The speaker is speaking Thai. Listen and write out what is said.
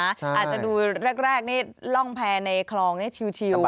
อาจจะดูแรกนี่ร่องแพร่ในคลองนี่ชิล